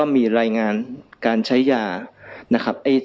มีลายงานการใช้ยา